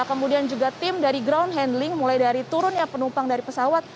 kemudian juga tim dari ground handling mulai dari turunnya penumpang dari pesawat